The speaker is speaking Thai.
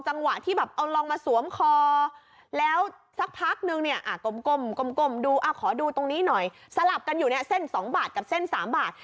จังหวะที่แบบเอาลองมาสวมคอแล้วสักพักนึงเนี่ยกลมดูขอดูตรงนี้หน่อยสลับกันอยู่เนี่ยเส้น๒บาทกับเส้น๓บาท